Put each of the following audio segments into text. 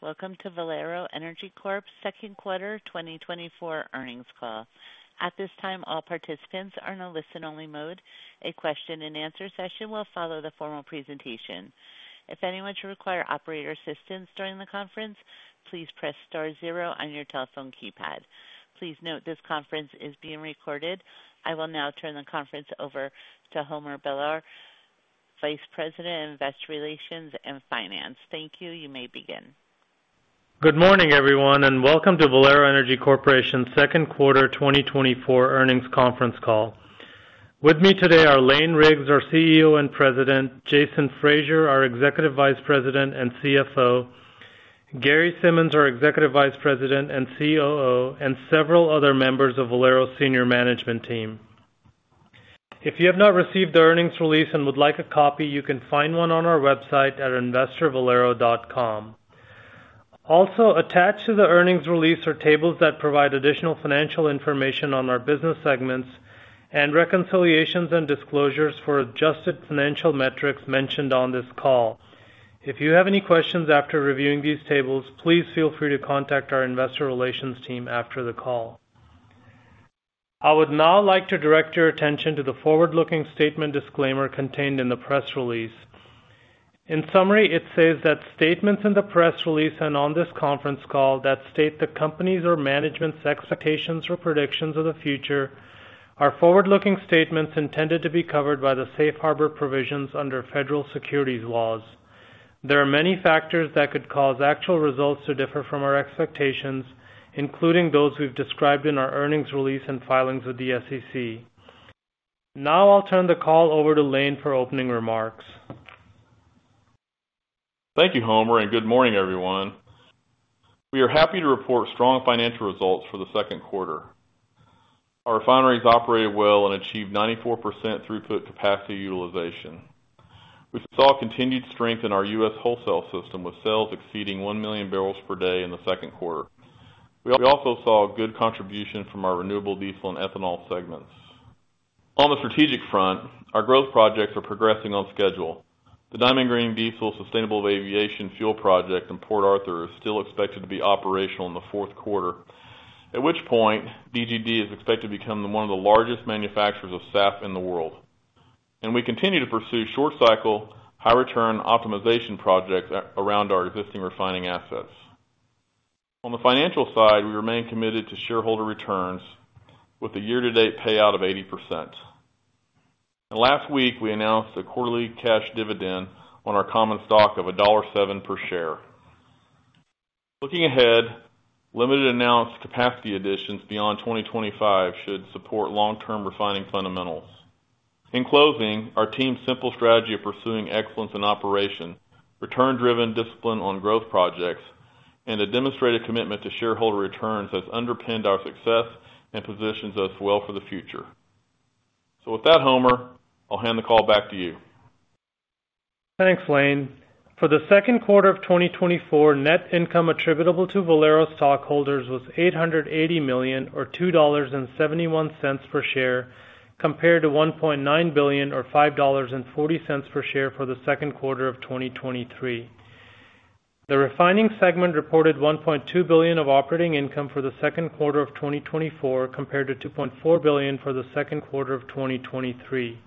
Welcome to Valero Energy Corp's second quarter 2024 earnings call. At this time, all participants are in a listen-only mode. A question-and-answer session will follow the formal presentation. If anyone should require operator assistance during the conference, please press star zero on your telephone keypad. Please note this conference is being recorded. I will now turn the conference over to Homer Bhullar, Vice President, Investor Relations and Finance. Thank you. You may begin. Good morning, everyone, and welcome to Valero Energy Corporation's second quarter 2024 earnings conference call. With me today are Lane Riggs, our CEO and President, Jason Fraser, our Executive Vice President and CFO, Gary Simmons, our Executive Vice President and COO, and several other members of Valero's senior management team. If you have not received the earnings release and would like a copy, you can find one on our website at investorvalero.com. Also, attached to the earnings release are tables that provide additional financial information on our business segments and reconciliations and disclosures for adjusted financial metrics mentioned on this call. If you have any questions after reviewing these tables, please feel free to contact our investor relations team after the call. I would now like to direct your attention to the forward-looking statement disclaimer contained in the press release. In summary, it says that statements in the press release and on this conference call that state the company's or management's expectations or predictions of the future are forward-looking statements intended to be covered by the safe harbor provisions under federal securities laws. There are many factors that could cause actual results to differ from our expectations, including those we've described in our earnings release and filings with the SEC. Now I'll turn the call over to Lane for opening remarks. Thank you, Homer, and good morning, everyone. We are happy to report strong financial results for the second quarter. Our refineries operated well and achieved 94% throughput capacity utilization. We saw continued strength in our U.S. wholesale system, with sales exceeding 1,000,000 barrels per day in the second quarter. We also saw a good contribution from our renewable diesel and ethanol segments. On the strategic front, our growth projects are progressing on schedule. The Diamond Green Diesel sustainable aviation fuel project in Port Arthur is still expected to be operational in the fourth quarter, at which point DGD is expected to become one of the largest manufacturers of SAF in the world. And we continue to pursue short-cycle, high-return optimization projects around our existing refining assets. On the financial side, we remain committed to shareholder returns with a year-to-date payout of 80%. Last week, we announced a quarterly cash dividend on our common stock of $1.7 per share. Looking ahead, limited announced capacity additions beyond 2025 should support long-term refining fundamentals. In closing, our team's simple strategy of pursuing excellence in operation, return-driven discipline on growth projects, and a demonstrated commitment to shareholder returns has underpinned our success and positions us well for the future. So with that, Homer, I'll hand the call back to you. Thanks, Lane. For the second quarter of 2024, net income attributable to Valero stockholders was $880 million, or $2.71 per share, compared to $1.9 billion, or $5.40 per share for the second quarter of 2023. The refining segment reported $1.2 billion of operating income for the second quarter of 2024, compared to $2.4 billion for the second quarter of 2023.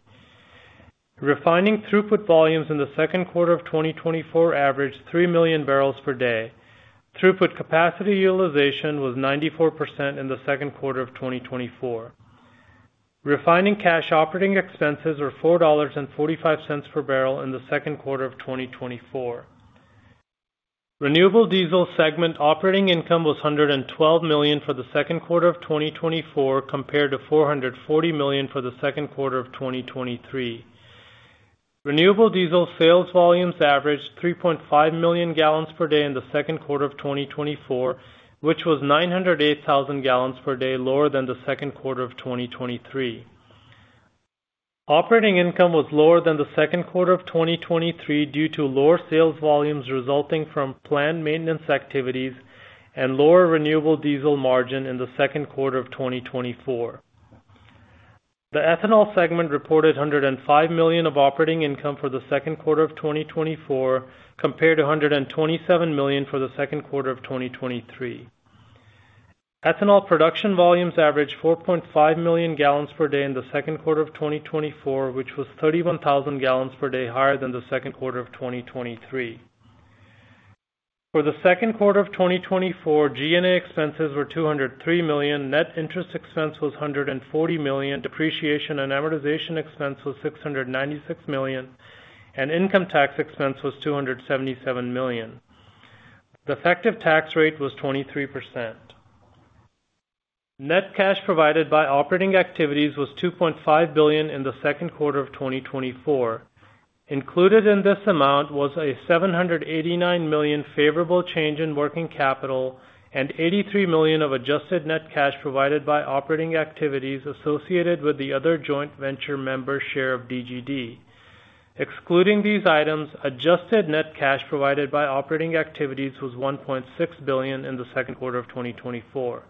Refining throughput volumes in the second quarter of 2024 averaged 3 million barrels per day. Throughput capacity utilization was 94% in the second quarter of 2024. Refining cash operating expenses were $4.45 per barrel in the second quarter of 2024. Renewable diesel segment operating income was $112 million for the second quarter of 2024, compared to $440 million for the second quarter of 2023. Renewable diesel sales volumes averaged 3.5 million gallons per day in the second quarter of 2024, which was 908,000 gallons per day lower than the second quarter of 2023. Operating income was lower than the second quarter of 2023 due to lower sales volumes resulting from planned maintenance activities and lower renewable diesel margin in the second quarter of 2024. The ethanol segment reported $105 million of operating income for the second quarter of 2024, compared to $127 million for the second quarter of 2023. Ethanol production volumes averaged 4.5 million gallons per day in the second quarter of 2024, which was 31,000 gallons per day higher than the second quarter of 2023. For the second quarter of 2024, G&A expenses were $203 million, net interest expense was $140 million, depreciation and amortization expense was $696 million, and income tax expense was $277 million. The effective tax rate was 23%. Net cash provided by operating activities was $2.5 billion in the second quarter of 2024. Included in this amount was a $789 million favorable change in working capital and $83 million of adjusted net cash provided by operating activities associated with the other joint venture member's share of DGD. Excluding these items, adjusted net cash provided by operating activities was $1.6 billion in the second quarter of 2024.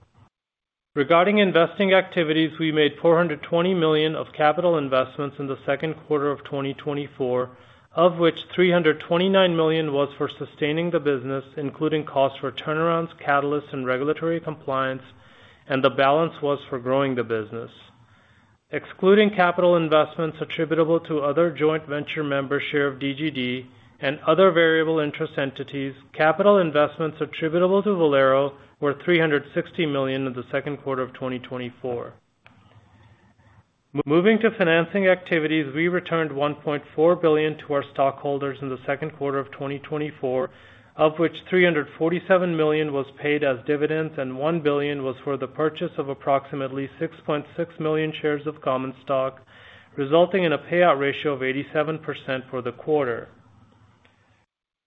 Regarding investing activities, we made $420 million of capital investments in the second quarter of 2024, of which $329 million was for sustaining the business, including costs for turnarounds, catalysts, and regulatory compliance, and the balance was for growing the business. Excluding capital investments attributable to other joint venture member share of DGD and other variable interest entities, capital investments attributable to Valero were $360 million in the second quarter of 2024. Moving to financing activities, we returned $1.4 billion to our stockholders in the second quarter of 2024, of which $347 million was paid as dividends and $1 billion was for the purchase of approximately 6.6 million shares of common stock, resulting in a payout ratio of 87% for the quarter.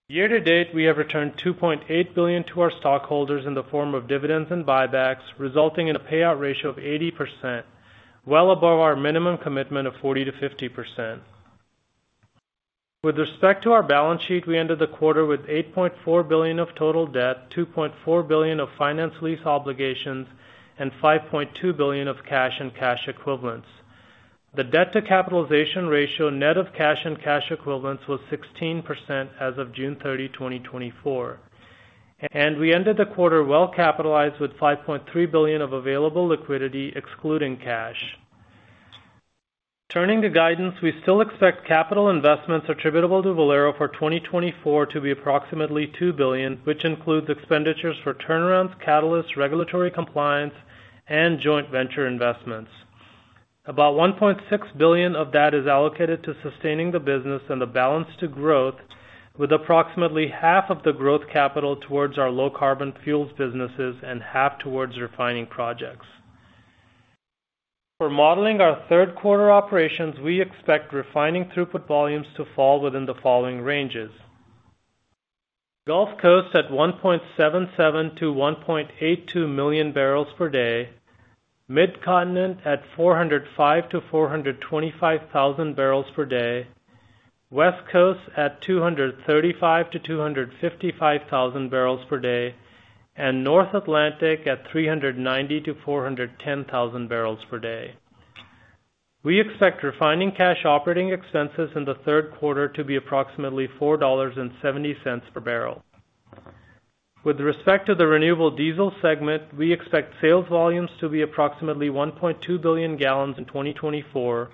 Year to date, we have returned $2.8 billion to our stockholders in the form of dividends and buybacks, resulting in a payout ratio of 80%, well above our minimum commitment of 40%-50%. With respect to our balance sheet, we ended the quarter with $8.4 billion of total debt, $2.4 billion of finance lease obligations, and $5.2 billion of cash and cash equivalents. The debt-to-capitalization ratio, net of cash and cash equivalents, was 16% as of June 30, 2024, and we ended the quarter well-capitalized with $5.3 billion of available liquidity, excluding cash. Turning to guidance, we still expect capital investments attributable to Valero for 2024 to be approximately $2 billion, which includes expenditures for turnarounds, catalysts, regulatory compliance, and joint venture investments. About $1.6 billion of that is allocated to sustaining the business and the balance to growth, with approximately half of the growth capital towards our low carbon fuels businesses and half towards refining projects. For modeling our third quarter operations, we expect refining throughput volumes to fall within the following ranges: Gulf Coast at 1.77million-1.82 million barrels per day, Mid-Continent at 405-425 thousand barrels per day, West Coast at 235-255 thousand barrels per day, and North Atlantic at 390-410 thousand barrels per day. We expect refining cash operating expenses in the third quarter to be approximately $4.70 per barrel. With respect to the renewable diesel segment, we expect sales volumes to be approximately 1.2 billion gallons in 2024.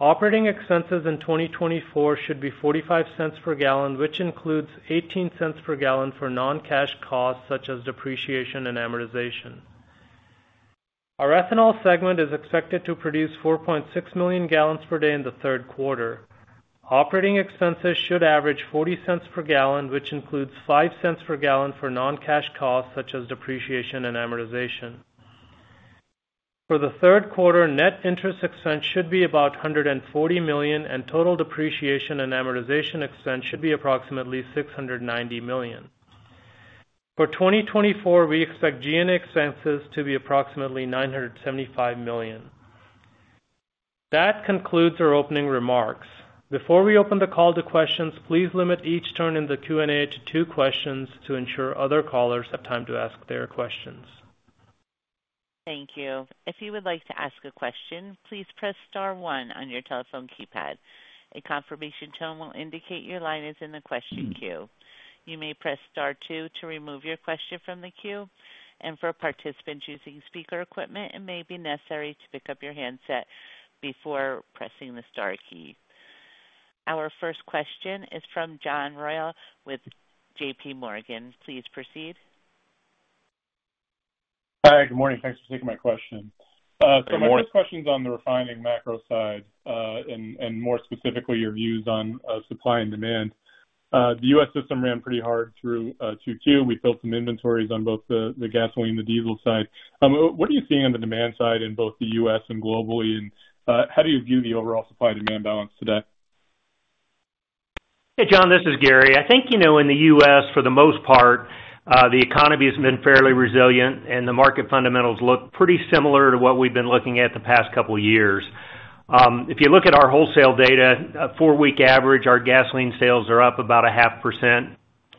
Operating expenses in 2024 should be $0.45 per gallon, which includes $0.18 per gallon for non-cash costs, such as depreciation and amortization. Our ethanol segment is expected to produce 4.6 million gallons per day in the third quarter. Operating expenses should average $0.40 per gallon, which includes $0.05 per gallon for non-cash costs, such as depreciation and amortization. For the third quarter, net interest expense should be about $140 million, and total depreciation and amortization expense should be approximately $690 million. For 2024, we expect G&A expenses to be approximately $975 million. That concludes our opening remarks. Before we open the call to questions, please limit each turn in the Q&A to two questions to ensure other callers have time to ask their questions. Thank you. If you would like to ask a question, please press star one on your telephone keypad. A confirmation tone will indicate your line is in the question queue. You may press star two to remove your question from the queue, and for participants using speaker equipment, it may be necessary to pick up your handset before pressing the star key. Our first question is from John Royall with JPMorgan. Please proceed. Hi, good morning. Thanks for taking my question. Good morning. So my first question is on the refining macro side, and more specifically, your views on supply and demand. The U.S. system ran pretty hard through Q2. We built some inventories on both the gasoline and the diesel side. What are you seeing on the demand side in both the U.S. and globally? And how do you view the overall supply and demand balance today? Hey, John, this is Gary. I think, you know, in the U.S., for the most part, the economy has been fairly resilient and the market fundamentals look pretty similar to what we've been looking at the past couple of years. If you look at our wholesale data, a four-week average, our gasoline sales are up about 0.5%.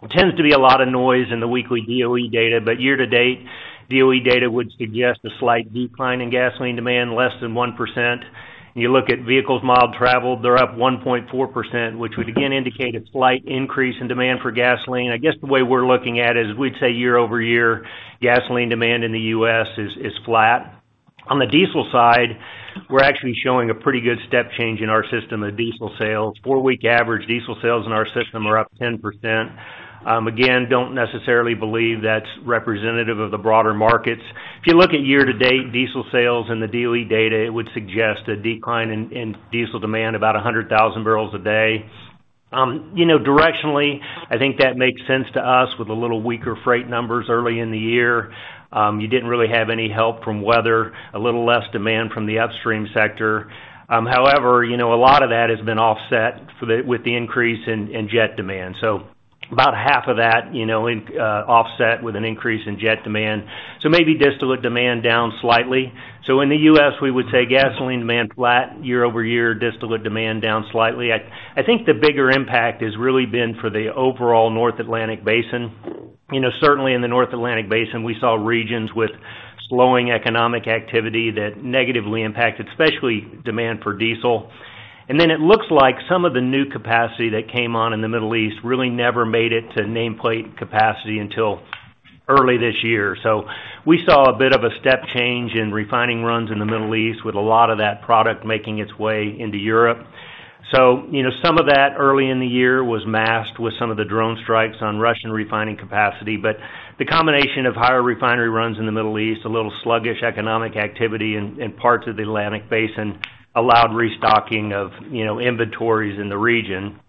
Tends to be a lot of noise in the weekly DOE data, but year to date, DOE data would suggest a slight decline in gasoline demand, less than 1%. You look at vehicle miles traveled, they're up 1.4%, which would again indicate a slight increase in demand for gasoline. I guess the way we're looking at it is, we'd say year-over-year, gasoline demand in the U.S. is flat. On the diesel side, we're actually showing a pretty good step change in our system of diesel sales. Four-week average diesel sales in our system are up 10%. Again, don't necessarily believe that's representative of the broader markets. If you look at year to date diesel sales and the DOE data, it would suggest a decline in diesel demand about 100,000 barrels a day. You know, directionally, I think that makes sense to us with a little weaker freight numbers early in the year. You didn't really have any help from weather, a little less demand from the upstream sector. However, you know, a lot of that has been offset with the increase in jet demand. So about half of that, you know, offset with an increase in jet demand. So maybe distillate demand down slightly. So in the US, we would say gasoline demand flat year over year, distillate demand down slightly. I, I think the bigger impact has really been for the overall North Atlantic Basin. You know, certainly in the North Atlantic Basin, we saw regions with slowing economic activity that negatively impacted, especially demand for diesel. And then it looks like some of the new capacity that came on in the Middle East really never made it to nameplate capacity until early this year. So we saw a bit of a step change in refining runs in the Middle East, with a lot of that product making its way into Europe. So, you know, some of that early in the year was masked with some of the drone strikes on Russian refining capacity. But the combination of higher refinery runs in the Middle East, a little sluggish economic activity in parts of the Atlantic Basin, allowed restocking of, you know, inventories in the region.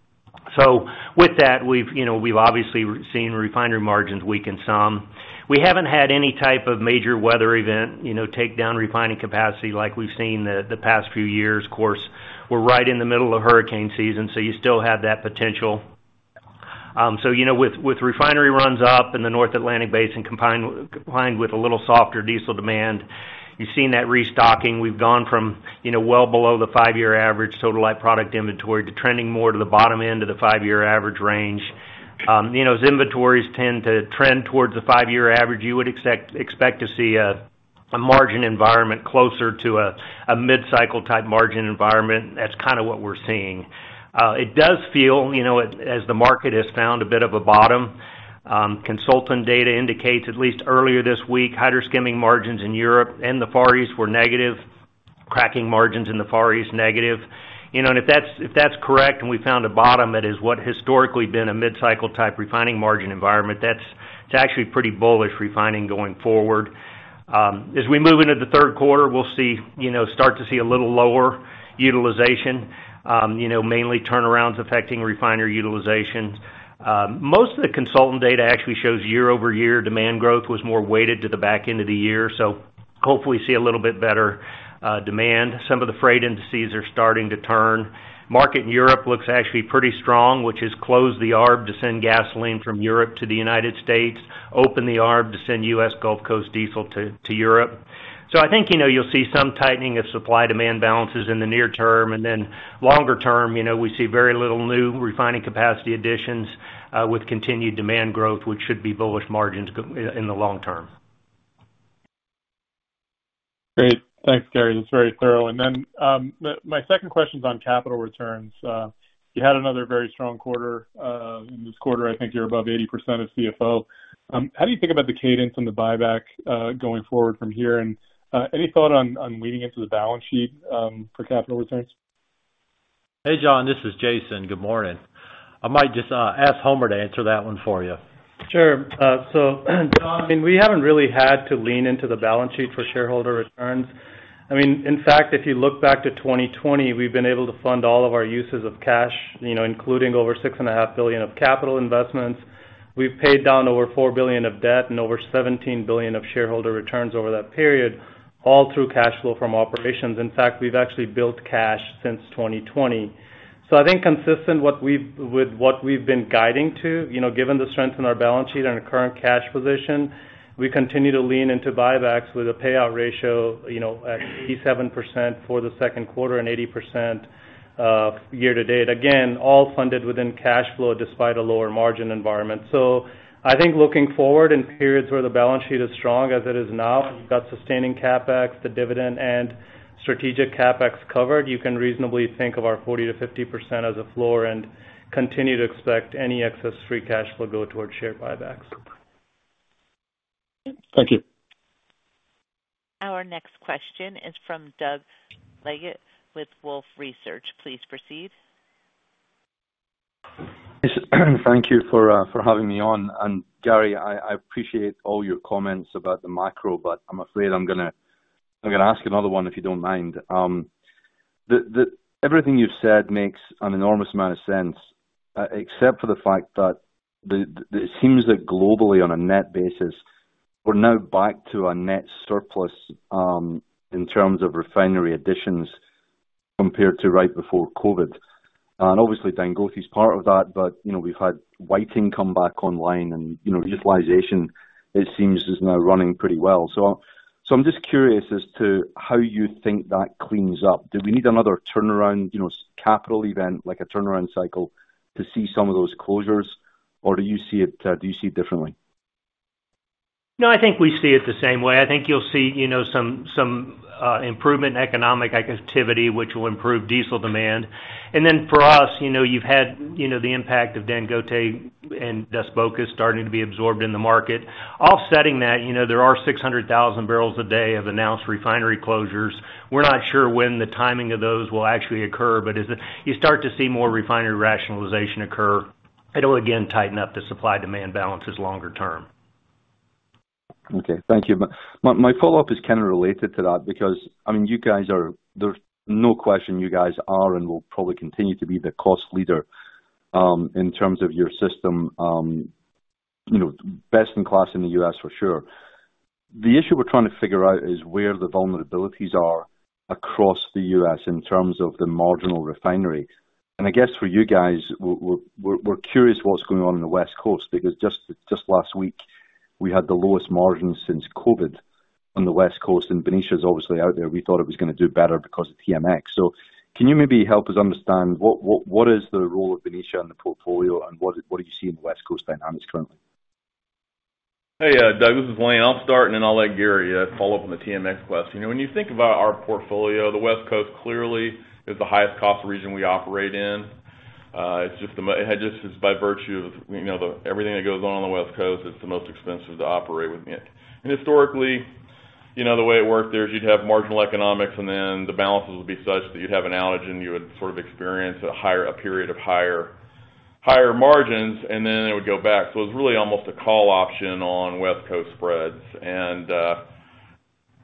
So with that, we've, you know, obviously seen refinery margins weaken some. We haven't had any type of major weather event, you know, take down refining capacity like we've seen the past few years. Of course, we're right in the middle of hurricane season, so you still have that potential. So, you know, with refinery runs up in the North Atlantic Basin, combined with a little softer diesel demand, you've seen that restocking. We've gone from, you know, well below the five-year average total light product inventory to trending more to the bottom end of the five-year average range. You know, as inventories tend to trend towards the five-year average, you would expect to see a margin environment closer to a mid-cycle type margin environment. That's kind of what we're seeing. It does feel, you know, as the market has found a bit of a bottom, consultant data indicates, at least earlier this week, hydro skimming margins in Europe and the Far East were negative, cracking margins in the Far East, negative. You know, and if that's correct, and we found a bottom, that is what historically been a mid-cycle type refining margin environment, that's, it's actually pretty bullish refining going forward. As we move into the third quarter, we'll see, you know, start to see a little lower utilization, you know, mainly turnarounds affecting refinery utilization. Most of the consultant data actually shows year-over-year demand growth was more weighted to the back end of the year, so hopefully see a little bit better demand. Some of the freight indices are starting to turn. Market in Europe looks actually pretty strong, which has closed the arb to send gasoline from Europe to the United States, open the arb to send U.S. Gulf Coast diesel to, to Europe. So I think, you know, you'll see some tightening of supply-demand balances in the near term, and then longer term, you know, we see very little new refining capacity additions with continued demand growth, which should be bullish margins in the long term. Great. Thanks, Gary. That's very thorough. Then my second question is on capital returns. You had another very strong quarter. In this quarter, I think you're above 80% of CFO. How do you think about the cadence and the buyback going forward from here? And any thought on leaning into the balance sheet for capital returns? Hey, John, this is Jason. Good morning. I might just ask Homer to answer that one for you. Sure. So, John, I mean, we haven't really had to lean into the balance sheet for shareholder returns. I mean, in fact, if you look back to 2020, we've been able to fund all of our uses of cash, you know, including over $6.5 billion of capital investments. We've paid down over $4 billion of debt and over $17 billion of shareholder returns over that period, all through cash flow from operations. In fact, we've actually built cash since 2020. So I think consistent with what we've been guiding to, you know, given the strength in our balance sheet and our current cash position, we continue to lean into buybacks with a payout ratio, you know, at 87% for the second quarter and 80%, uh, year to date. Again, all funded within cash flow, despite a lower margin environment. I think looking forward in periods where the balance sheet is strong as it is now, you've got sustaining CapEx, the dividend, and strategic CapEx covered. You can reasonably think of our 40%-50% as a floor and continue to expect any excess free cash flow go towards share buybacks. Thank you. Our next question is from Doug Leggate with Wolfe Research. Please proceed. Thank you for having me on. And Gary, I appreciate all your comments about the macro, but I'm afraid I'm gonna ask another one, if you don't mind. Everything you've said makes an enormous amount of sense, except for the fact that it seems that globally, on a net basis, we're now back to a net surplus in terms of refinery additions, compared to right before COVID. And obviously, Dangote is part of that, but, you know, we've had Whiting come back online and, you know, utilization, it seems, is now running pretty well. So I'm just curious as to how you think that cleans up. Do we need another turnaround, you know, capital event, like a turnaround cycle, to see some of those closures? Or do you see it differently? No, I think we see it the same way. I think you'll see, you know, some improvement in economic activity, which will improve diesel demand. And then for us, you know, you've had, you know, the impact of Dangote and Dos Bocas starting to be absorbed in the market. Offsetting that, you know, there are 600,000 barrels a day of announced refinery closures. We're not sure when the timing of those will actually occur, but as you start to see more refinery rationalization occur, it'll again tighten up the supply-demand balances longer term. Okay. Thank you. My follow-up is kind of related to that, because, I mean, you guys are, there's no question you guys are and will probably continue to be the cost leader in terms of your system, you know, best in class in the U.S., for sure. The issue we're trying to figure out is where the vulnerabilities are across the U.S. in terms of the marginal refinery. And I guess for you guys, we're curious what's going on in the West Coast, because just last week we had the lowest margins since COVID on the West Coast, and Benicia is obviously out there. We thought it was gonna do better because of TMX. So can you maybe help us understand what is the role of Benicia in the portfolio and what do you see in the West Coast dynamics currently? Hey, Doug, this is Lane. I'll start, and then I'll let Gary follow up on the TMX question. You know, when you think about our portfolio, the West Coast clearly is the highest cost region we operate in. It's just just by virtue of, you know, everything that goes on on the West Coast, it's the most expensive to operate with me. And historically, you know, the way it worked there is you'd have marginal economics, and then the balances would be such that you'd have an arbitrage, you would sort of experience a period of higher, higher margins, and then it would go back. So it's really almost a call option on West Coast spreads.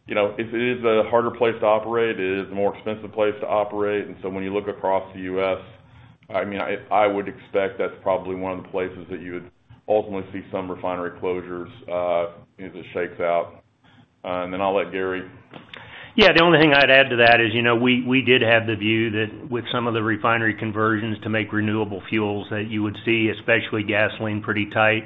You know, it is a harder place to operate. It is a more expensive place to operate, and so when you look across the U.S., I mean, I would expect that's probably one of the places that you would ultimately see some refinery closures as it shakes out. And then I'll let Gary. Yeah, the only thing I'd add to that is, you know, we, we did have the view that with some of the refinery conversions to make renewable fuels, that you would see, especially gasoline, pretty tight.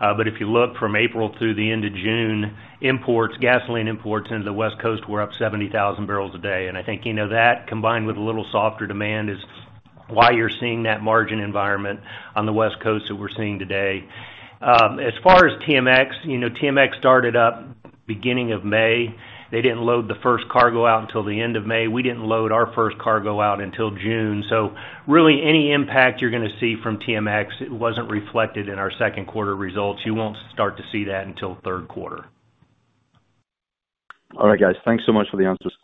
But if you look from April through the end of June, imports, gasoline imports into the West Coast were up 70,000 barrels a day. And I think, you know, that, combined with a little softer demand, is why you're seeing that margin environment on the West Coast that we're seeing today. As far as TMX, you know, TMX started up beginning of May. They didn't load the first cargo out until the end of May. We didn't load our first cargo out until June. So really any impact you're gonna see from TMX, it wasn't reflected in our second quarter results. You won't start to see that until third quarter. All right, guys. Thanks so much for the answers.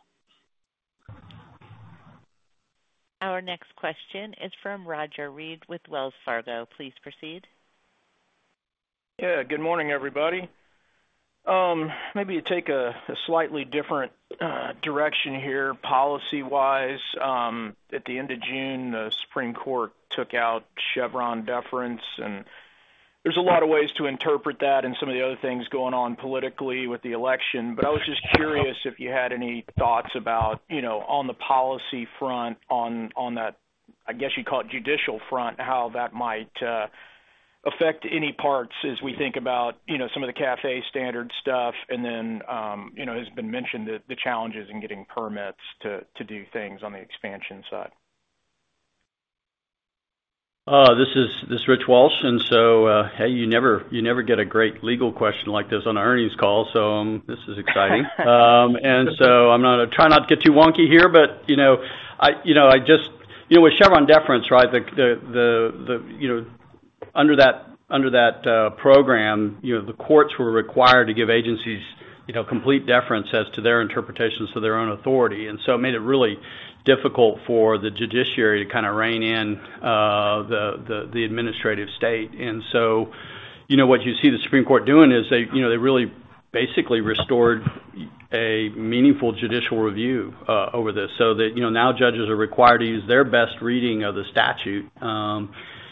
Our next question is from Roger Read with Wells Fargo. Please proceed. Yeah, good morning, everybody. Maybe take a slightly different direction here, policy-wise. At the end of June, the Supreme Court took out Chevron deference, and there's a lot of ways to interpret that and some of the other things going on politically with the election. But I was just curious if you had any thoughts about, you know, on the policy front, on that, I guess you'd call it judicial front, how that might affect any parts as we think about, you know, some of the CAFE standard stuff, and then, you know, it's been mentioned that the challenges in getting permits to do things on the expansion side. This is Rich Walsh, and so, hey, you never get a great legal question like this on an earnings call, so this is exciting. And so I'm gonna try not to get too wonky here, but you know, I just-- You know, with Chevron deference, right, the you know, under that program, you know, the courts were required to give agencies you know, complete deference as to their interpretations of their own authority. And so it made it really difficult for the judiciary to kinda rein in the administrative state. And so, you know, what you see the Supreme Court doing is they you know, they really basically restored a meaningful judicial review over this. So that, you know, now judges are required to use their best reading of the statute.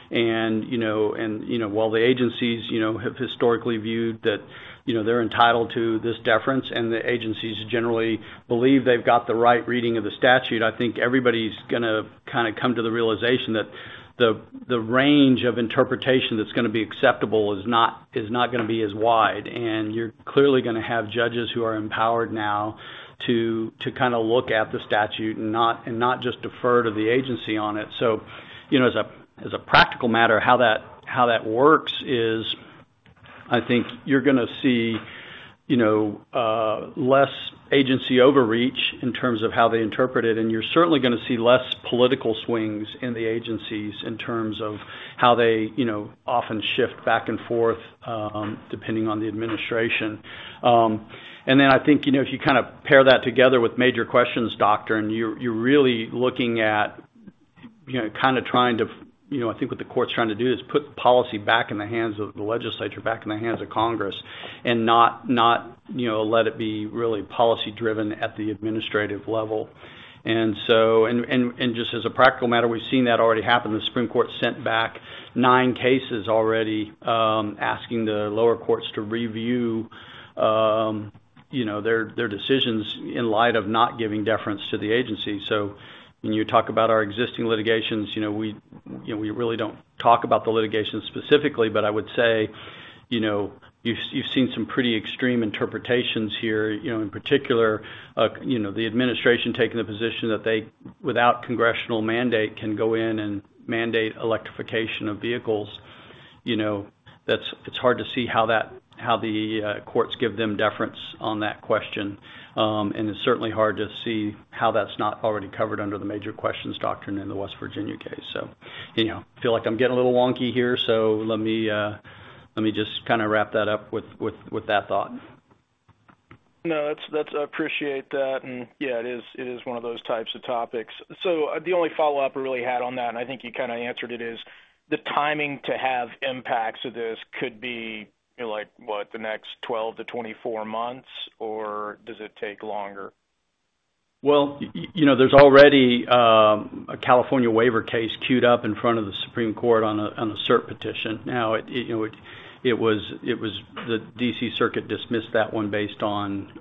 And, you know, while the agencies, you know, have historically viewed that, you know, they're entitled to this deference, and the agencies generally believe they've got the right reading of the statute, I think everybody's gonna kinda come to the realization that the range of interpretation that's gonna be acceptable is not gonna be as wide. And you're clearly gonna have judges who are empowered now to kinda look at the statute and not just defer to the agency on it. So, you know, as a practical matter, how that works is, I think you're gonna see, you know, less agency overreach in terms of how they interpret it, and you're certainly gonna see less political swings in the agencies in terms of how they, you know, often shift back and forth, depending on the administration. And then I think, you know, if you kind of pair that together with Major Questions doctrine, you're really looking at, you know, kinda trying to. You know, I think what the court's trying to do is put policy back in the hands of the legislature, back in the hands of Congress, and not, you know, let it be really policy-driven at the administrative level. And so, and just as a practical matter, we've seen that already happen. The Supreme Court sent back nine cases already, asking the lower courts to review, you know, their, their decisions in light of not giving deference to the agency. So when you talk about our existing litigations, you know, we, you know, we really don't talk about the litigation specifically, but I would say, you know, you've, you've seen some pretty extreme interpretations here. You know, in particular, the administration taking the position that they, without congressional mandate, can go in and mandate electrification of vehicles. You know, that's—it's hard to see how that—how the, courts give them deference on that question. And it's certainly hard to see how that's not already covered under the Major Questions doctrine in the West Virginia case. You know, feel like I'm getting a little wonky here, so let me just kinda wrap that up with that thought. No, that's... I appreciate that. Yeah, it is one of those types of topics. So the only follow-up I really had on that, and I think you kinda answered it, is the timing to have impacts of this could be, you know, like what? The next 12-24 months, or does it take longer? Well, you know, there's already a California waiver case queued up in front of the Supreme Court on a cert petition. Now, you know, it was the D.C. Circuit dismissed that one based on,...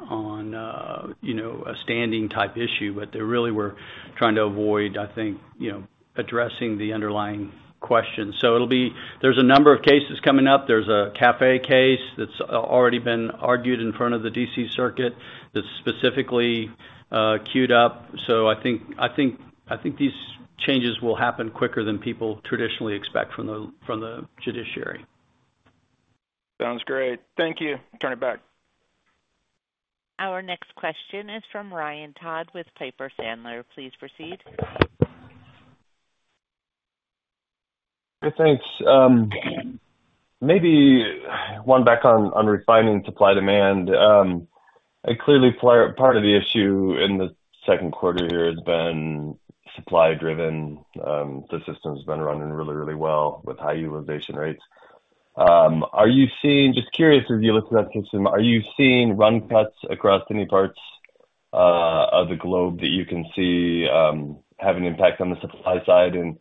you know, a standing type issue, but they really were trying to avoid, I think, you know, addressing the underlying questions. So it'll be. There's a number of cases coming up. There's a CAFE case that's already been argued in front of the D.C. Circuit that's specifically queued up. So I think, I think, I think these changes will happen quicker than people traditionally expect from the, from the judiciary. Sounds great. Thank you. Turn it back. Our next question is from Ryan Todd with Piper Sandler. Please proceed. Hey, thanks. Maybe one back on refining supply-demand. And clearly, part of the issue in the second quarter here has been supply-driven. The system's been running really, really well with high utilization rates. Are you seeing... Just curious, as you look at that consumer, are you seeing run cuts across any parts of the globe that you can see having an impact on the supply side? And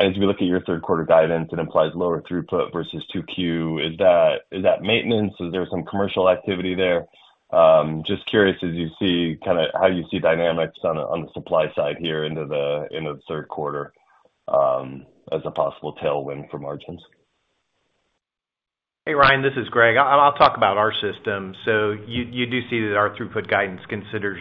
as we look at your third quarter guidance, it implies lower throughput versus 2Q. Is that maintenance? Is there some commercial activity there? Just curious, as you see, kinda how you see dynamics on the supply side here into the third quarter, as a possible tailwind for margins. Hey, Ryan, this is Greg. I'll talk about our system. So you do see that our throughput guidance considers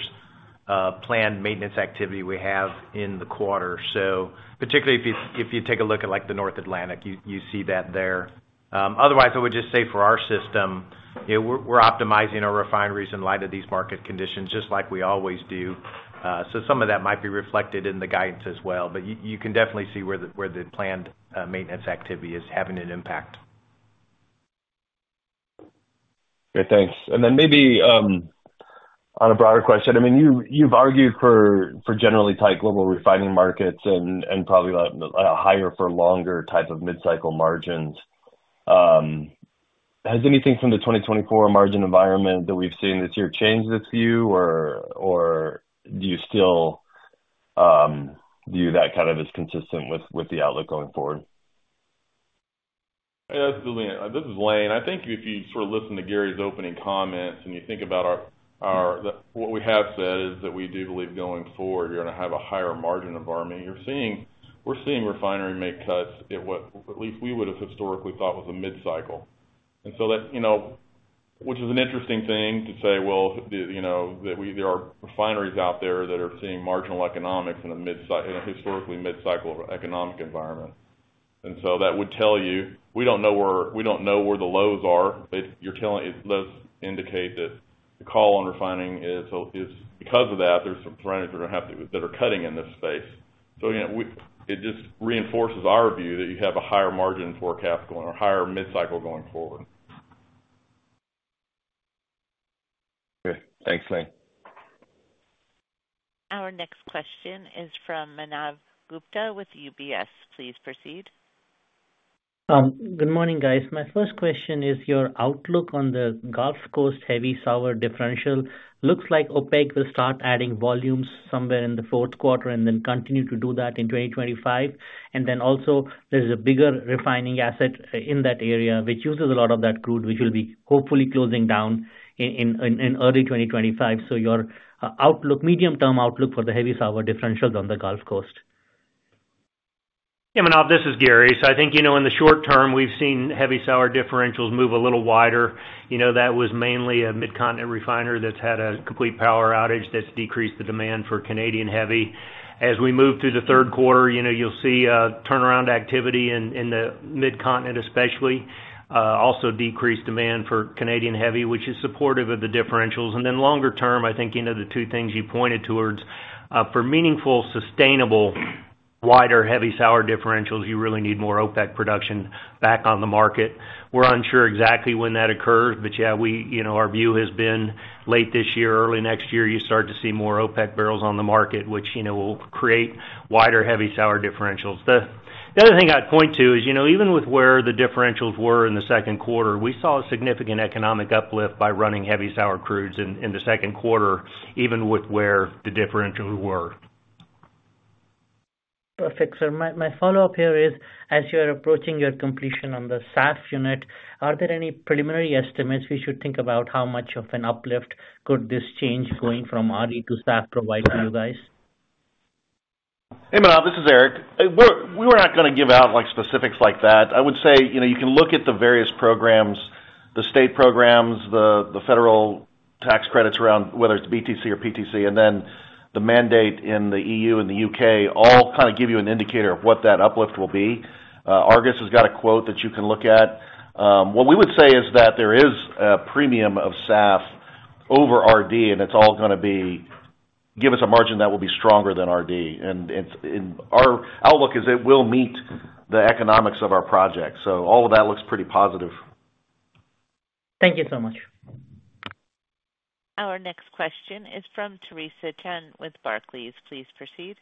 planned maintenance activity we have in the quarter. So particularly if you take a look at, like, the North Atlantic, you see that there. Otherwise, I would just say for our system, yeah, we're optimizing our refineries in light of these market conditions, just like we always do. So some of that might be reflected in the guidance as well, but you can definitely see where the planned maintenance activity is having an impact. Great, thanks. Then maybe, on a broader question, I mean, you, you've argued for generally tight global refining markets and probably a higher for longer type of mid-cycle margins. Has anything from the 2024 margin environment that we've seen this year changed this view, or do you still view that kind of as consistent with the outlook going forward? Yeah, this is Lane. I think if you sort of listen to Gary's opening comments and you think about our--what we have said is that we do believe going forward, you're gonna have a higher margin environment. You're seeing--we're seeing refinery make cuts at what at least we would have historically thought was a mid-cycle. And so that, you know, which is an interesting thing to say, well, the, you know, that we--there are refineries out there that are seeing marginal economics in a mid-cycle, in a historically mid-cycle economic environment. And so that would tell you, we don't know where, we don't know where the lows are. But you're telling--it does indicate that the call on refining is, is because of that, there's some refineries we're gonna have to--that are cutting in this space. So again, it just reinforces our view that you have a higher margin forecast going or higher mid-cycle going forward. Okay. Thanks, Lane. Our next question is from Manav Gupta with UBS. Please proceed. Good morning, guys. My first question is your outlook on the Gulf Coast heavy sour differential. Looks like OPEC will start adding volumes somewhere in the fourth quarter and then continue to do that in 2025. And then also, there's a bigger refining asset in that area, which uses a lot of that crude, which will be hopefully closing down in early 2025. So your outlook, medium-term outlook for the heavy sour differentials on the Gulf Coast. Yeah, Manav, this is Gary. So I think, you know, in the short term, we've seen heavy sour differentials move a little wider. You know, that was mainly a Mid-Continent refiner that's had a complete power outage that's decreased the demand for Canadian heavy. As we move through the third quarter, you know, you'll see turnaround activity in the Mid-Continent, especially, also decreased demand for Canadian heavy, which is supportive of the differentials. And then longer term, I think, you know, the two things you pointed towards for meaningful, sustainable, wider, heavy, sour differentials, you really need more OPEC production back on the market. We're unsure exactly when that occurs, but yeah. You know, our view has been late this year, early next year, you start to see more OPEC barrels on the market, which, you know, will create wider, heavy, sour differentials. The other thing I'd point to is, you know, even with where the differentials were in the second quarter, we saw a significant economic uplift by running heavy sour crudes in the second quarter, even with where the differentials were. Perfect. So my follow-up here is, as you're approaching your completion on the SAF unit, are there any preliminary estimates we should think about how much of an uplift could this change going from RD to SAF provide for you guys? Hey, Manav, this is Eric. We're not gonna give out, like, specifics like that. I would say, you know, you can look at the various programs, the state programs, the federal tax credits around whether it's BTC or PTC, and then the mandate in the E.U. and the U.K., all kind of give you an indicator of what that uplift will be. Argus has got a quote that you can look at. What we would say is that there is a premium of SAF over RD, and it's all gonna be, give us a margin that will be stronger than RD. And our outlook is it will meet the economics of our project. So all of that looks pretty positive. Thank you so much. Our next question is from Theresa Chen with Barclays. Please proceed.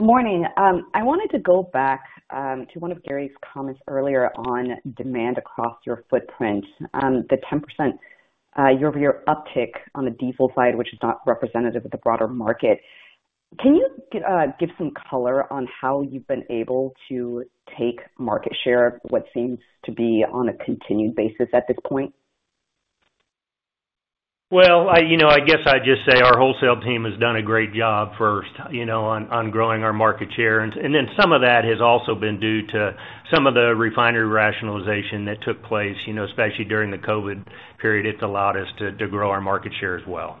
Morning. I wanted to go back to one of Gary's comments earlier on demand across your footprint. The 10% year-over-year uptick on the diesel side, which is not representative of the broader market. Can you give some color on how you've been able to take market share, what seems to be on a continued basis at this point? Well, I, you know, I guess I'd just say our wholesale team has done a great job first, you know, on growing our market share. And then some of that has also been due to some of the refinery rationalization that took place, you know, especially during the COVID period. It's allowed us to grow our market share as well.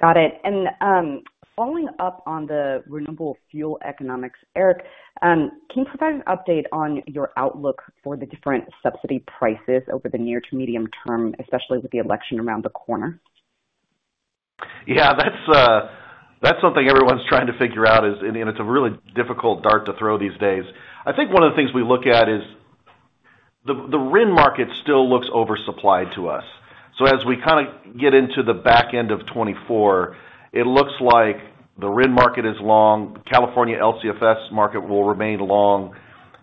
Got it. And, following up on the renewable fuel economics, Eric, can you provide an update on your outlook for the different subsidy prices over the near to medium term, especially with the election around the corner? Yeah, that's something everyone's trying to figure out, and it's a really difficult dart to throw these days. I think one of the things we look at is the RIN market still looks oversupplied to us. So as we kind of get into the back end of 2024, it looks like the RIN market is long, California LCFS market will remain long,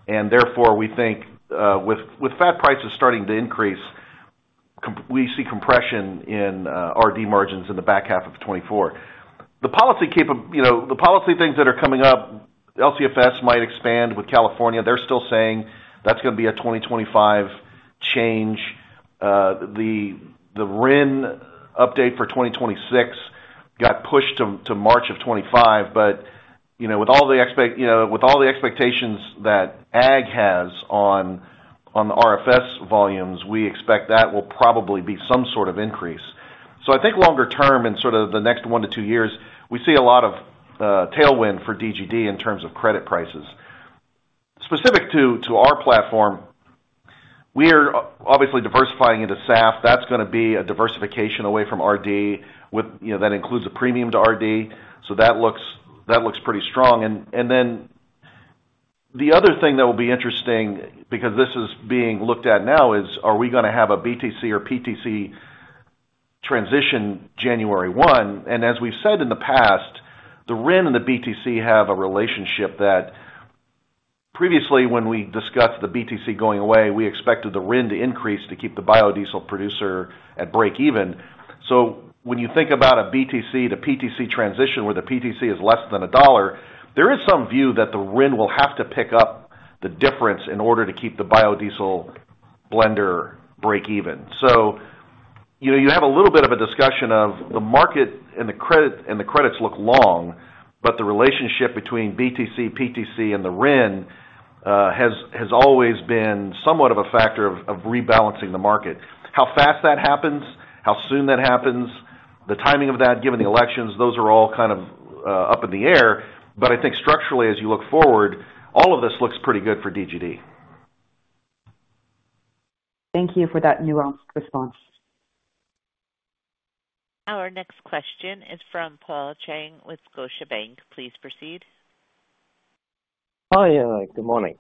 and therefore, we think with fat prices starting to increase, we see compression in RD margins in the back half of 2024. The policy, you know, the policy things that are coming up, LCFS might expand with California. They're still saying that's gonna be a 2025 change. The RIN update for 2026 got pushed to March of 2025, but you know, with all the expectations that ag has on the RFS volumes, we expect that will probably be some sort of increase. So I think longer term, in sort of the next one to two years, we see a lot of tailwind for DGD in terms of credit prices. Specific to our platform, we are obviously diversifying into SAF. That's gonna be a diversification away from RD, with you know, that includes a premium to RD, so that looks pretty strong. And then, the other thing that will be interesting, because this is being looked at now, is, are we gonna have a BTC or PTC transition January 1? As we've said in the past, the RIN and the BTC have a relationship that previously, when we discussed the BTC going away, we expected the RIN to increase to keep the biodiesel producer at breakeven. So when you think about a BTC to PTC transition, where the PTC is less than $1, there is some view that the RIN will have to pick up the difference in order to keep the biodiesel blender breakeven. So, you know, you have a little bit of a discussion of the market and the credit, and the credits look long, but the relationship between BTC, PTC, and the RIN has always been somewhat of a factor of rebalancing the market. How fast that happens, how soon that happens, the timing of that, given the elections, those are all kind of up in the air. But I think structurally, as you look forward, all of this looks pretty good for DGD. Thank you for that nuanced response. Our next question is from Paul Cheng with Scotiabank. Please proceed. Hi, good morning.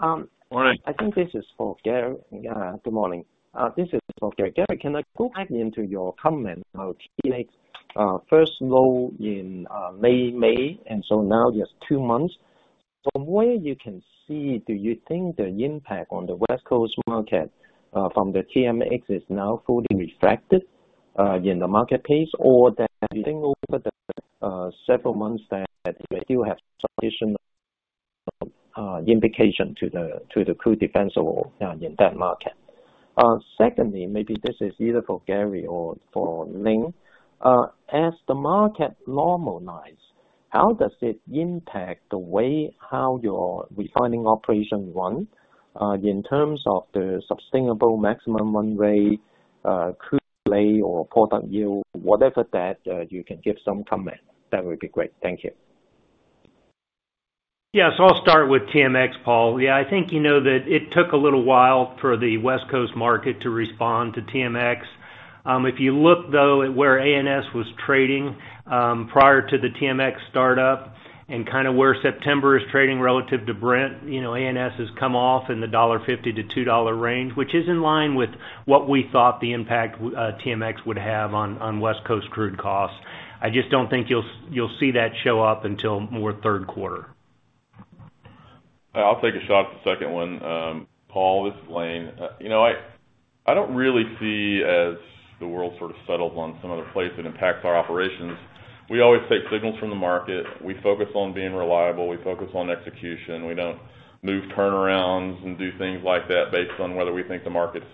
Good morning. I think this is for Gary. Good morning. This is for Gary. Gary, can I go back into your comment of first low in May, and so now just two months. From where you can see, do you think the impact on the West Coast market from the TMX is now fully reflected in the market case or that over the several months that we do have some additional indication to the to the crude demand or in that market? Secondly, maybe this is either for Gary or for Lane. As the market normalize, how does it impact the way how your refining operation run in terms of the sustainable maximum run rate, crude slate or product yield, whatever that you can give some comment, that would be great. Thank you. Yeah, so I'll start with TMX, Paul. Yeah, I think you know that it took a little while for the West Coast market to respond to TMX. If you look, though, at where ANS was trading, prior to the TMX startup and kind of where September is trading relative to Brent, you know, ANS has come off in the $1.50-$2 range, which is in line with what we thought the impact, TMX would have on, on West Coast crude costs. I just don't think you'll see that show up until more third quarter. I'll take a shot at the second one. Paul, this is Lane. You know, I don't really see as the world sort of settles on some other place that impacts our operations. We always take signals from the market. We focus on being reliable. We focus on execution. We don't move turnarounds and do things like that based on whether we think the market's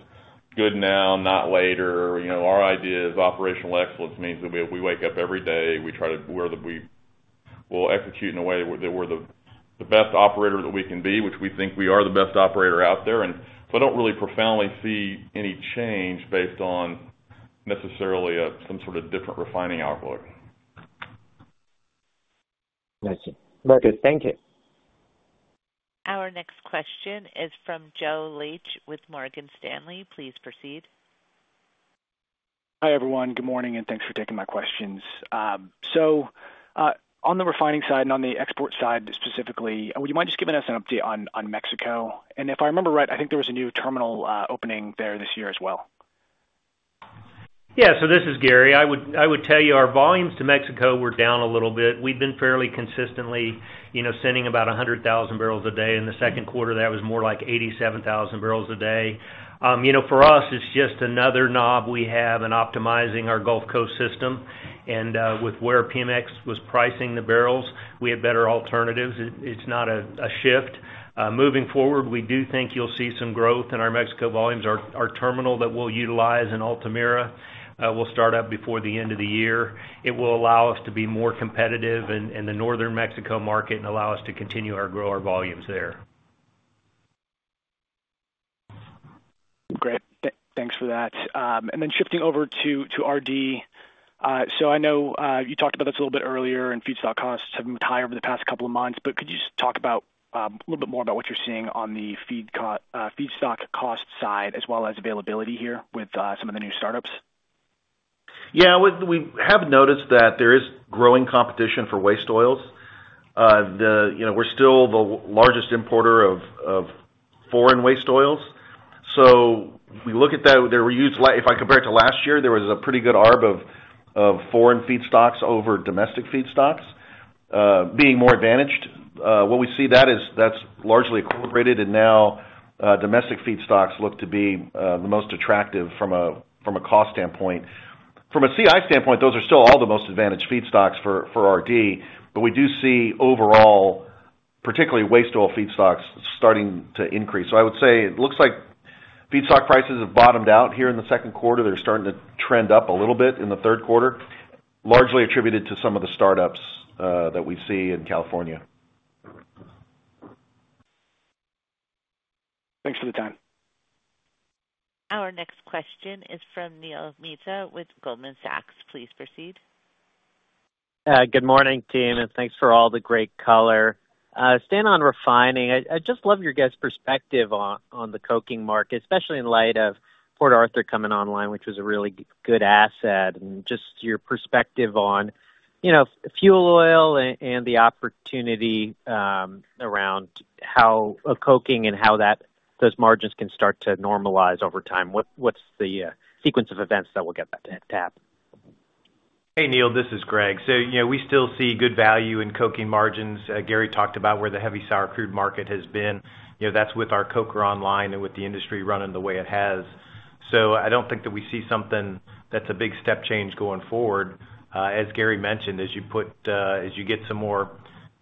good now, not later. You know, our idea is operational excellence means that we wake up every day, we try to execute in a way that we're the best operator that we can be, which we think we are the best operator out there. So I don't really profoundly see any change based on necessarily some sort of different refining outlook. I see. Very good. Thank you. Our next question is from Joe Laetsch with Morgan Stanley. Please proceed. Hi, everyone. Good morning, and thanks for taking my questions. So, on the refining side and on the export side, specifically, would you mind just giving us an update on, on Mexico? And if I remember right, I think there was a new terminal, opening there this year as well.... Yeah, so this is Gary. I would tell you our volumes to Mexico were down a little bit. We've been fairly consistently, you know, sending about 100,000 barrels a day. In the second quarter, that was more like 87,000 barrels a day. You know, for us, it's just another knob we have in optimizing our Gulf Coast system. And with where Pemex was pricing the barrels, we had better alternatives. It's not a shift. Moving forward, we do think you'll see some growth in our Mexico volumes. Our terminal that we'll utilize in Altamira will start up before the end of the year. It will allow us to be more competitive in the northern Mexico market and allow us to continue to grow our volumes there. Great. Thanks for that. And then shifting over to RD. So I know you talked about this a little bit earlier, and feedstock costs have been high over the past couple of months, but could you just talk about a little bit more about what you're seeing on the feedstock cost side, as well as availability here with some of the new startups? Yeah, we have noticed that there is growing competition for waste oils. You know, we're still the largest importer of foreign waste oils. So we look at that. If I compare it to last year, there was a pretty good arb of foreign feedstocks over domestic feedstocks being more advantaged. What we see that is, that's largely incorporated, and now domestic feedstocks look to be the most attractive from a cost standpoint. From a CI standpoint, those are still all the most advantaged feedstocks for RD, but we do see overall, particularly waste oil feedstocks, starting to increase. So I would say it looks like feedstock prices have bottomed out here in the second quarter. They're starting to trend up a little bit in the third quarter, largely attributed to some of the startups that we see in California. Thanks for the time. Our next question is from Neil Mehta with Goldman Sachs. Please proceed. Good morning, team, and thanks for all the great color. Staying on refining, I'd just love your guys' perspective on the coking market, especially in light of Port Arthur coming online, which is a really good asset, and just your perspective on, you know, fuel oil and the opportunity around how coking and how that, those margins can start to normalize over time. What's the sequence of events that will get that to happen? Hey, Neil, this is Greg. So, you know, we still see good value in coking margins. Gary talked about where the heavy sour crude market has been. You know, that's with our coker online and with the industry running the way it has. So I don't think that we see something that's a big step change going forward. As Gary mentioned, as you put, as you get some more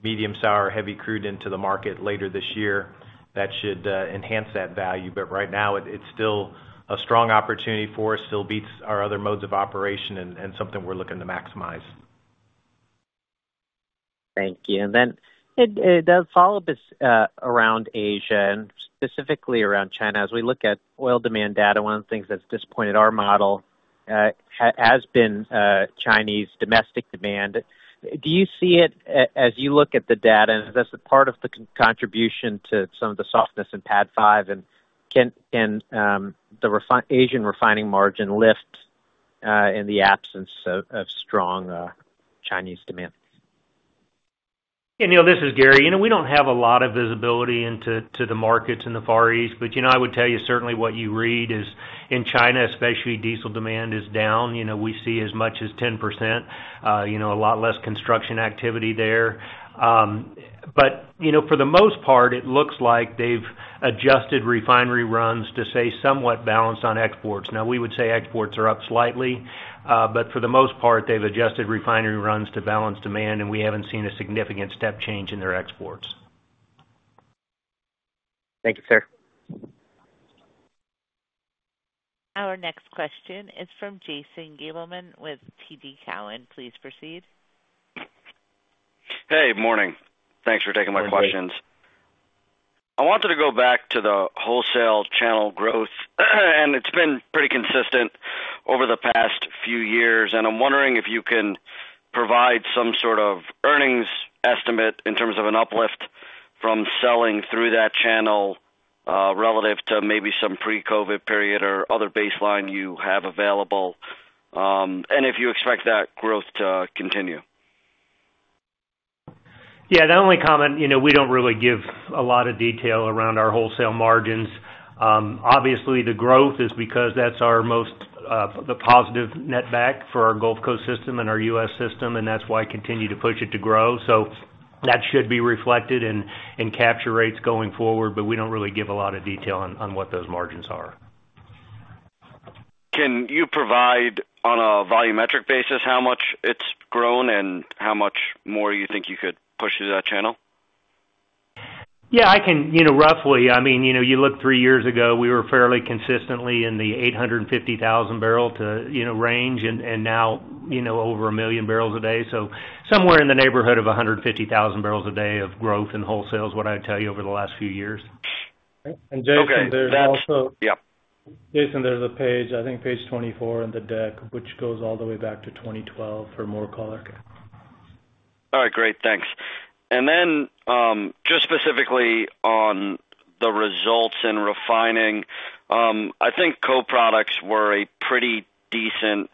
medium sour, heavy crude into the market later this year, that should enhance that value. But right now, it's still a strong opportunity for us, still beats our other modes of operation and something we're looking to maximize. Thank you. And then, the follow-up is, around Asia and specifically around China. As we look at oil demand data, one of the things that's disappointed our model, has been, Chinese domestic demand. Do you see it, as you look at the data, and is this a part of the contribution to some of the softness in PADD 5? And can the Asian refining margin lift, in the absence of strong Chinese demand? Yeah, Neil, this is Gary. You know, we don't have a lot of visibility into the markets in the Far East, but, you know, I would tell you certainly what you read is in China, especially, diesel demand is down. You know, we see as much as 10%, you know, a lot less construction activity there. But, you know, for the most part, it looks like they've adjusted refinery runs to stay somewhat balanced on exports. Now, we would say exports are up slightly, but for the most part, they've adjusted refinery runs to balance demand, and we haven't seen a significant step change in their exports. Thank you, sir. Our next question is from Jason Gabelman with TD Cowen. Please proceed. Hey, morning. Thanks for taking my questions. I wanted to go back to the wholesale channel growth, and it's been pretty consistent over the past few years. I'm wondering if you can provide some sort of earnings estimate in terms of an uplift from selling through that channel, relative to maybe some pre-COVID period or other baseline you have available, and if you expect that growth to continue. Yeah, the only comment, you know, we don't really give a lot of detail around our wholesale margins. Obviously, the growth is because that's our most positive netback for our Gulf Coast system and our U.S. system, and that's why I continue to push it to grow. So that should be reflected in capture rates going forward, but we don't really give a lot of detail on what those margins are. Can you provide, on a volumetric basis, how much it's grown and how much more you think you could push through that channel? Yeah, I can, you know, roughly. I mean, you know, you look three years ago, we were fairly consistently in the 850,000 barrel to, you know, range, and now, you know, over 1 million barrels a day. So somewhere in the neighborhood of 150,000 barrels a day of growth in wholesale is what I'd tell you over the last few years. Okay. Jason, there's also- Yeah. Jason, there's a page, I think page 24 in the deck, which goes all the way back to 2012 for more color. All right, great. Thanks. And then, just specifically on the results in refining, I think co-products were a pretty decent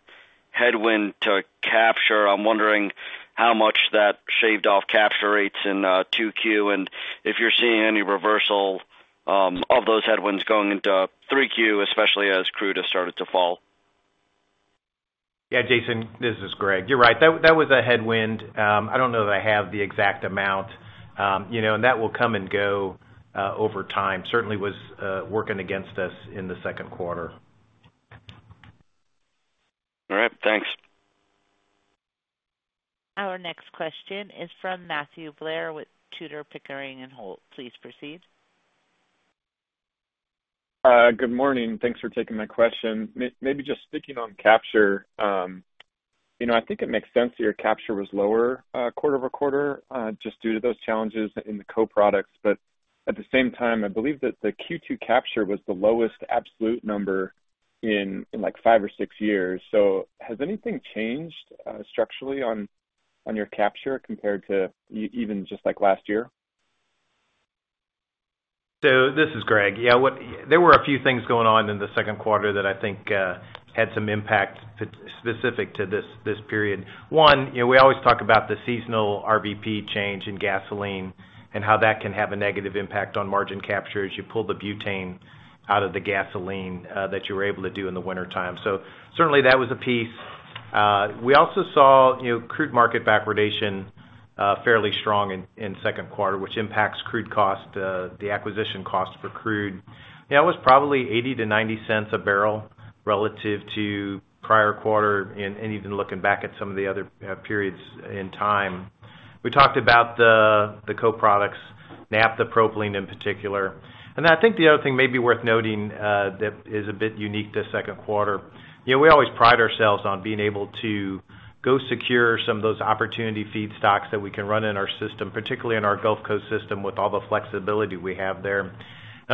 headwind to capture. I'm wondering how much that shaved off capture rates in 2Q, and if you're seeing any reversal of those headwinds going into 3Q, especially as crude has started to fall? Yeah, Jason, this is Greg. You're right. That, that was a headwind. I don't know that I have the exact amount. You know, and that will come and go over time. Certainly was working against us in the second quarter. All right, thanks. Our next question is from Matthew Blair with Tudor, Pickering, Holt & Co. Please proceed. Good morning, thanks for taking my question. Maybe just sticking on capture, you know, I think it makes sense that your capture was lower, quarter-over-quarter, just due to those challenges in the co-products. But at the same time, I believe that the Q2 capture was the lowest absolute number in like, five or six years. So has anything changed, structurally on your capture compared to even just, like, last year? So this is Greg. Yeah, there were a few things going on in the second quarter that I think had some impact specific to this period. One, you know, we always talk about the seasonal RVP change in gasoline and how that can have a negative impact on margin capture as you pull the butane out of the gasoline that you were able to do in the wintertime. So certainly, that was a piece. We also saw, you know, crude market backwardation fairly strong in second quarter, which impacts crude cost, the acquisition cost for crude. Yeah, it was probably $0.80-$0.90 a barrel relative to prior quarter, and even looking back at some of the other periods in time. We talked about the co-products, naphtha, propylene in particular. I think the other thing maybe worth noting, that is a bit unique to second quarter, you know, we always pride ourselves on being able to go secure some of those opportunity feedstocks that we can run in our system, particularly in our Gulf Coast system, with all the flexibility we have there. And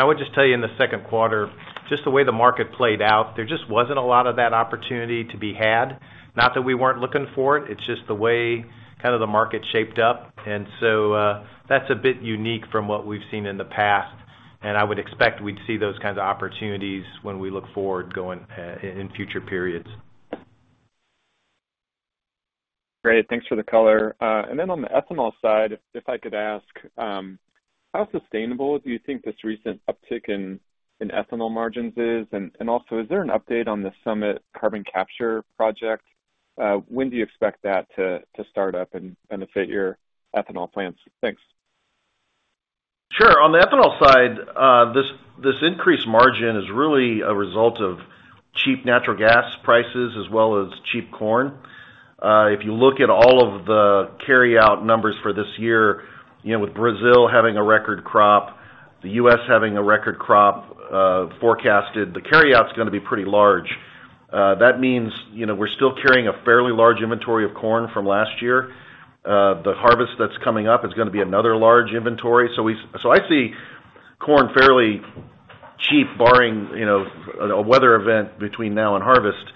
I would just tell you, in the second quarter, just the way the market played out, there just wasn't a lot of that opportunity to be had. Not that we weren't looking for it, it's just the way kind of the market shaped up. And so, that's a bit unique from what we've seen in the past, and I would expect we'd see those kinds of opportunities when we look forward going in future periods. Great. Thanks for the color. And then on the ethanol side, if I could ask, how sustainable do you think this recent uptick in ethanol margins is? And also, is there an update on the Summit Carbon Solutions project? When do you expect that to start up and benefit your ethanol plants? Thanks. Sure. On the ethanol side, this increased margin is really a result of cheap natural gas prices as well as cheap corn. If you look at all of the carry-out numbers for this year, you know, with Brazil having a record crop, the U.S. having a record crop, forecasted, the carry-out is gonna be pretty large. That means, you know, we're still carrying a fairly large inventory of corn from last year. The harvest that's coming up is gonna be another large inventory. So we-- so I see corn fairly cheap, barring, you know, a weather event between now and harvest,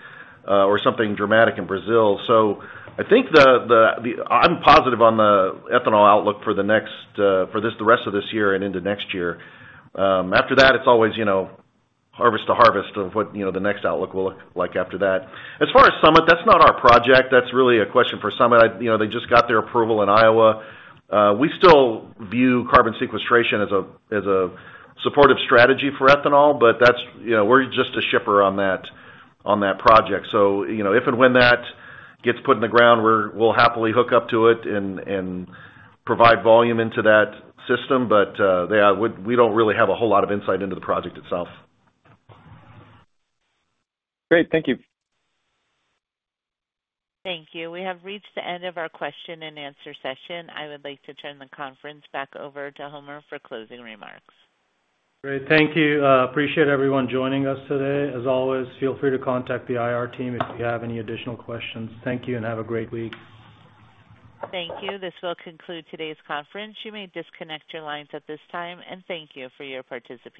or something dramatic in Brazil. So I think I'm positive on the ethanol outlook for the next, for this-- the rest of this year and into next year. After that, it's always, you know, harvest to harvest of what, you know, the next outlook will look like after that. As far as Summit, that's not our project. That's really a question for Summit. You know, they just got their approval in Iowa. We still view carbon sequestration as a, as a supportive strategy for ethanol, but that's, you know, we're just a shipper on that, on that project. So, you know, if and when that gets put in the ground, we're, we'll happily hook up to it and, and provide volume into that system. But, yeah, we, we don't really have a whole lot of insight into the project itself. Great. Thank you. Thank you. We have reached the end of our question-and-answer session. I would like to turn the conference back over to Homer for closing remarks. Great. Thank you. Appreciate everyone joining us today. As always, feel free to contact the IR team if you have any additional questions. Thank you, and have a great week. Thank you. This will conclude today's conference. You may disconnect your lines at this time, and thank you for your participation.